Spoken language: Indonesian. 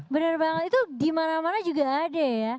benar banget itu dimana mana juga ada ya